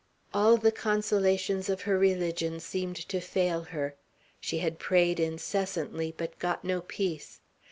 All the consolations of her religion seemed to fail her. She had prayed incessantly, but got no peace.